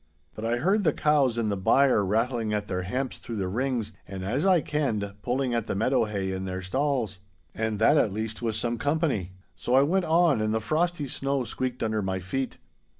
'But I heard the cows in the byre rattling at their hemps through the rings, and as I kenned, pulling at the meadow hay in their stalls. And that at least was some company. So I went on and the frosty snow squeaked under my feet.